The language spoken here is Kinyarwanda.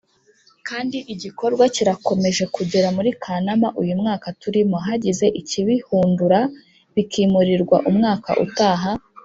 kandi igikorwa kirakomeje Kugera muri Kanama uyu mwaka turimo hagize ikibihundura bikimurirwa umwaka utaha.